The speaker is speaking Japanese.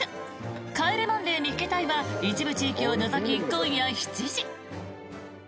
「帰れマンデー見っけ隊！！」は一部地域を除き今夜７時。